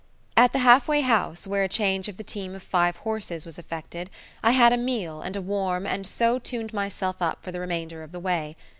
At the Halfway House, where a change of the team of five horses was affected, I had a meal and a warm, and so tuned myself up for the remainder of the way.